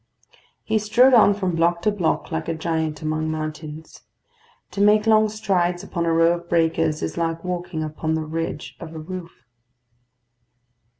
He strode on from block to block like a giant among mountains. To make long strides upon a row of breakers is like walking upon the ridge of a roof.